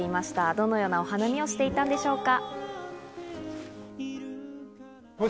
どのようなお花見をしていたのでしょうか？